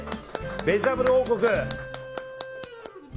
ベジタブル王国！